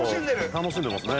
楽しんでますね。